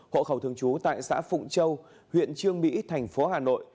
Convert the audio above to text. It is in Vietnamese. hộ khẩu thường trú tại xã phụng châu huyện trương mỹ thành phố hà nội